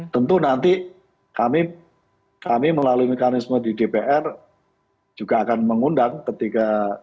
tentu nanti kami melalui mekanisme di dpr juga akan mengundang ketika